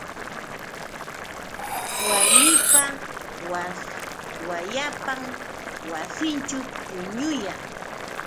Warmipa wayapan wasinćhu puñuya.